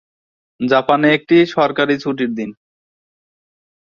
জাপানে একটি সরকারি ছুটির দিন।